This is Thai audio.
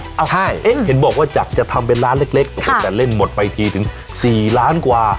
ใช่เห็นบอกว่าจากจะทำเป็นร้านเล็กโอ้โหแต่เล่นหมดไปทีถึง๔ล้านกว่า